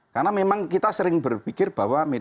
karena memang kita sering berpikir bahwa